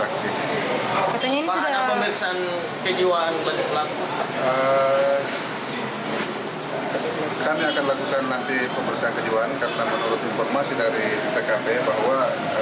kami akan lakukan nanti pemeriksaan kejiwaan karena menurut informasi dari tkp bahwa